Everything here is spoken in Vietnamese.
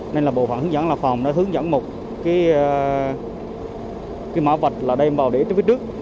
nên là bộ phận hướng dẫn là phòng nó hướng dẫn một cái mã vạch là đem vào để trước